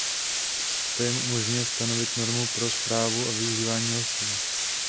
To jim umožňuje stanovit normu pro správu a využívání lesů.